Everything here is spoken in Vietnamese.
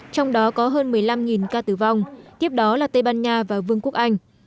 trong đó có hơn một mươi năm ca tử vong tiếp đó là tây ban nha và vương quốc anh